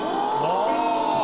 ああ。